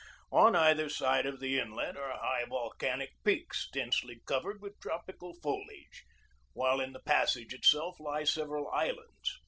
On either side of the inlet are high volcanic peaks densely covered with tropical foliage, while in the passage itself lie several islands.